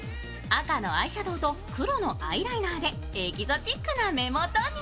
赤のアイシャドウと黒のアイライナーでエキゾチックな目元に。